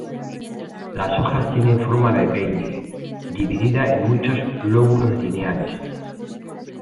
Las hojas tienen forma de peine, dividida en muchos lóbulos lineales.